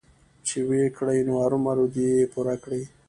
چې ويې کړي نو ارومرو دې يې پوره کړي.